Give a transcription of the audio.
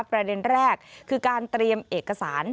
ประเด็นแรกคือการเตรียมเอกสาร